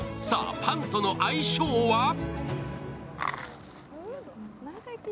さあ、パンとの相性は？